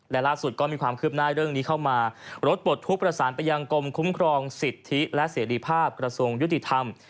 และล่าสุดก็มีความคืบหน้าเรื่องนี้เข้ามารถปลดทุกข์ประสานไปยังกรมคุ้มครองสิทธิและเสรีภาพกระทรวงยุติธรรม